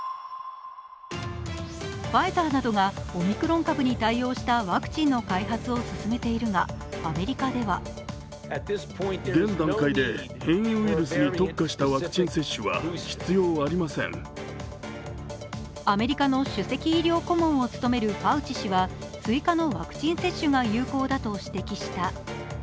ファイザーなどがオミクロン株に対応したワクチンの開発を進めているがアメリカではアメリカの首席医療顧問を務めるファウチ氏は追加のワクチン接種が有効だと指摘した。